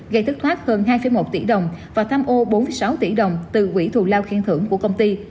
gây thất thoát hơn hai một tỷ đồng và tham ô bốn mươi sáu tỷ đồng từ quỹ thù lao khen thưởng của công ty